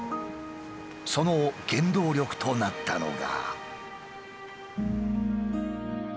その原動力となったのが。